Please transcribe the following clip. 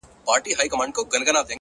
پرمختګ د ځان ارزونې ته اړتیا لري